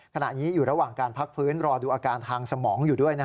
ขณะนี้อยู่ระหว่างการพักฟื้นรอดูอาการทางสมองอยู่ด้วย